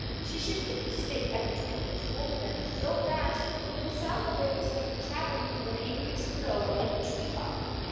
She shook the stick at the Twins and scolded them so fast that the sound of it was like the chattering of an angry squirrel in a tree top.